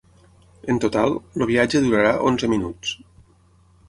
En total, el viatge durarà onze minuts.